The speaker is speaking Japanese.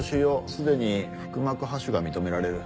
すでに腹膜播種が認められる。